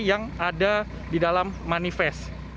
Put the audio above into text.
yang ada di dalam manifest